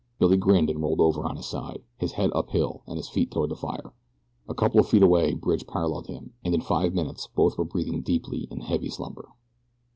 Billy grinned and rolled over on his side, his head uphill and his feet toward the fire. A couple of feet away Bridge paralleled him, and in five minutes both were breathing deeply in healthy slumber.